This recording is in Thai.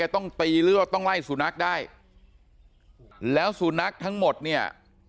ต้องตีหรือว่าต้องไล่สุนัขได้แล้วสุนัขทั้งหมดเนี่ย